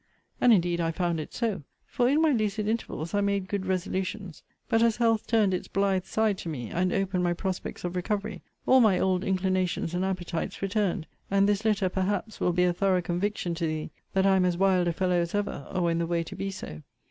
And indeed I found it so: for, in my lucid intervals, I made good resolutions: but as health turned its blithe side to me, and opened my prospects of recovery, all my old inclinations and appetites returned; and this letter, perhaps, will be a thorough conviction to thee, that I am as wild a fellow as ever, or in the way to be so.